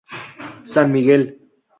San Miguel.